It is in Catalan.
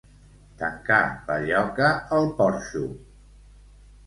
Tancar la lloca al porxo.